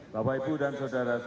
bapak ibu dan saudara saudara